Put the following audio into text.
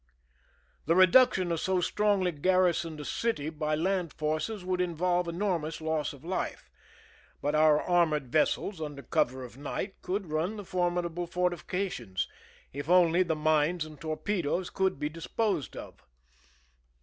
The reduction of so strongly garrisoned a city by land forces would involve enormous loss of life, but our armored vessels, under cover of night, could run the formidable fortifications, if only the mines and torpedoes could be disposed of.